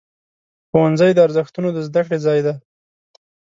ښوونځی د ارزښتونو د زده کړې ځای دی.